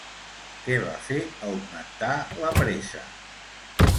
Què va fer augmentar la presa?